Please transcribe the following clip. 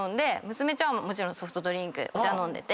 娘ちゃんはもちろんソフトドリンクお茶飲んでて。